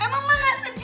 emang emak gak sedih